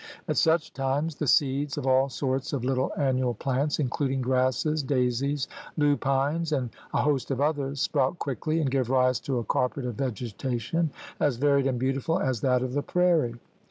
At such times the seeds of all sorts of little annual plants, including grasses, daisies, lupines, and a host of others, sprout quickly, and give rise to a carpet of vegetation as varied and beautiful as that of the prairie.